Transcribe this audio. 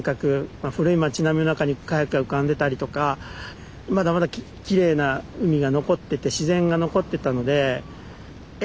まあ古い町並みの中にカヤックが浮かんでたりとかまだまだきれいな海が残ってて自然が残ってたのでえ！